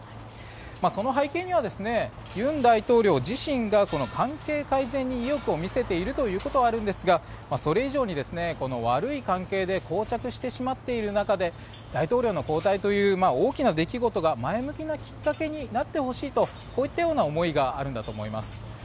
その背景には、尹大統領自身が関係改善に意欲を見せているということがあるんですがそれ以上に、悪い関係でこう着してしまっている中で大統領の交代という大きな出来事が前向きなきっかけになってほしいとこういったような思いがあるんだと思います。